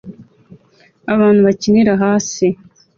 abantu bakinira hasi